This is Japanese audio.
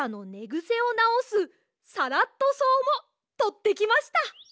ぐせをなおすサラットそうもとってきました。